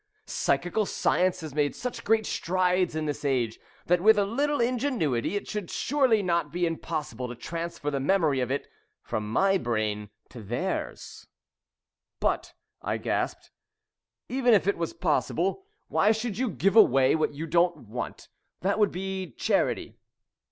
Psychical science has made such great strides in this age that with a little ingenuity it should surely not be impossible to transfer the memory of it from my brain to theirs." [Illustration: "'PEOPLE WHOSE BRAINS ARE SOFTENING.'"] "But," I gasped, "even if it was possible, why should you give away what you don't want? That would be charity."